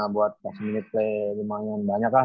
buat pas minute play lumayan banyak lah